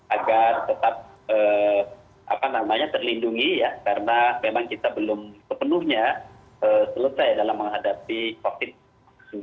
agar tetap terlindungi karena memang kita belum sepenuhnya selesai dalam menghadapi covid sembilan belas